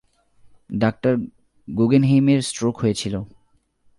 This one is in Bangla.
ডাঃ গুগেনহেইমের স্ট্রোক হয়েছিল।